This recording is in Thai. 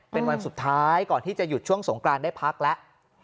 เป็นวันสุดท้ายก่อนที่จะหยุดช่วงสงกรานได้พักแล้ว